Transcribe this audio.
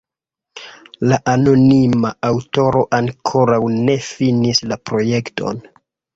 La anonima aŭtoro ankoraŭ ne finis la projekton.